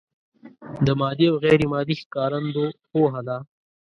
د مادي او غیر مادي ښکارندو پوهه ده.